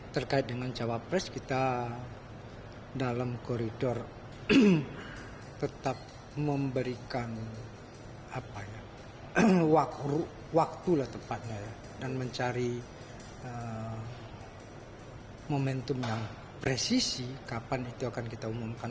terkait dengan cawapres kita dalam koridor tetap memberikan waktu tepatnya dan mencari momentum yang presisi kapan itu akan kita umumkan